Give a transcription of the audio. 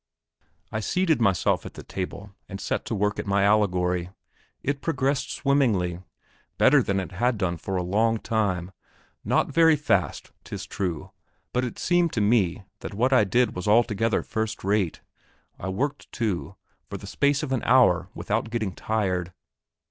I seated myself at the table, and set to work at my allegory; it progressed swimmingly, better than it had done for a long time; not very fast, 'tis true, but it seemed to me that what I did was altogether first rate. I worked, too, for the space of an hour without getting tired.